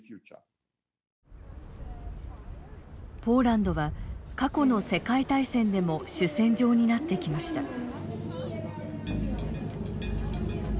ポーランドは過去の世界大戦でも主戦場になってきました。